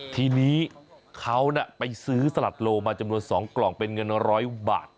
ทีนี้เขาไปซื้อสลัดโลมาจำนวน๒กล่องเป็นเงิน๑๐๐บาท